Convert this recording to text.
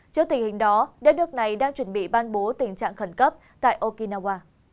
trước tình hình đó đất nước này đang chuẩn bị ban bố tình trạng khẩn cấp tại okinawa